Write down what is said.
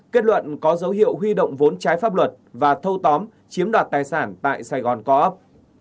kết luận có dấu hiệu huy động vốn trái pháp luật và thâu tóm chiếm đoạt tài sản tại sài gòn co op